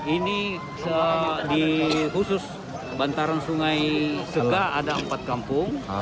ini di khusus bantaran sungai seka ada empat kampung